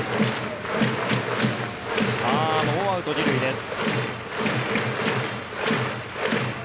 ノーアウト２塁です。